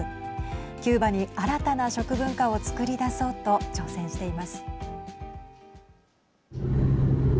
キューバに新たな食文化をつくり出そうと挑戦しています。